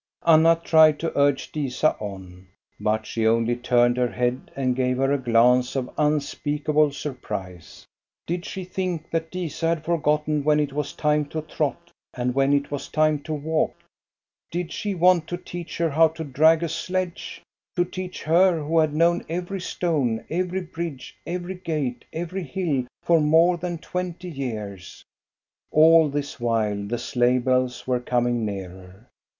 Anna tried to urge Disa on, but she only turned her head and gave her a glance of unspeakable surprise. Did she think that Disa had forgotten when it was time to trot and when it was time to walk ? Did she want to teach her how to drag a sledge, to teach her who had known every stone, every bridge, every gate, every hill for more than twenty years t All this while the sleigh bells were coming nearer.